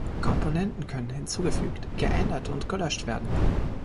Komponenten können hinzugefügt, geändert und gelöscht werden.